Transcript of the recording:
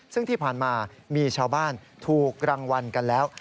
ซึ่งที่ผ่านมามีชาวบ้านถูกรางวัลกันแล้ว